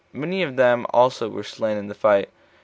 Many of them also were slain in the fight.